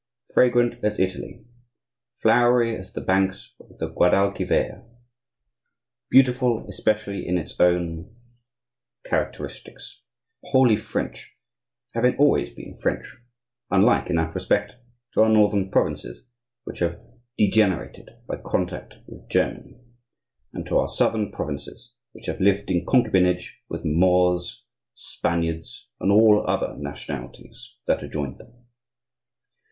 Fragrant as Italy, flowery as the banks of the Guadalquivir, beautiful especially in its own characteristics, wholly French, having always been French,—unlike in that respect to our northern provinces, which have degenerated by contact with Germany, and to our southern provinces, which have lived in concubinage with Moors, Spaniards, and all other nationalities that adjoined them.